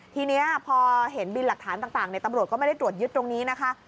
ทีนี้พอเห็นบินหลักฐานต่างตำรวจก็ไม่ได้ตรวจยึดตรงนี้นะคะ